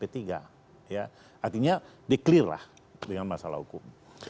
artinya di clear lah dengan masalah hukum